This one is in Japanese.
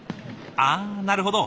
ああなるほど。